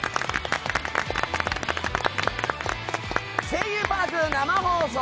「声優パーク」生放送！